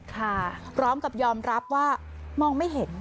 ค่ะพร้อมกับยอมรับว่ามองไม่เห็น